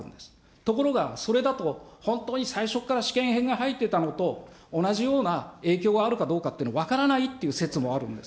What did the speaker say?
ところが、それだと、本当に最初から試験片が入っていたのと同じような影響があるかどうかというのは分からないという説もあるんです。